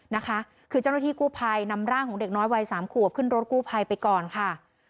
นะคะคือเจ้าหน้าที่กู้ภัยนำร่างของเด็กน้อยวัยสามขวบขึ้นรถกู้ภัยไปก่อนค่ะ